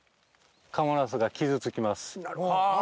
なるほど。